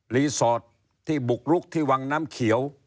สอดที่บุกลุกที่วังน้ำเขียว